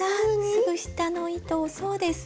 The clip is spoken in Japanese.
すぐ下の糸をそうです。